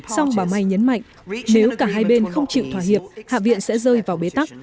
song bà may nhấn mạnh nếu cả hai bên không chịu thỏa hiệp hạ viện sẽ rơi vào bế tắc